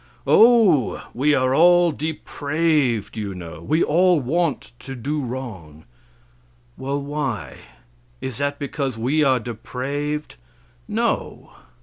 Oh, we are all depraved, you know; we all want to do wrong. Well, why? Is that because we are depraved? No.